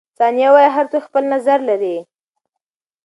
ثانیه وايي، هر څوک خپل نظر لري.